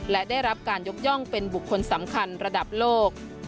และได้รับการยกย่องเป็นบุคคลสำคัญระดับโลก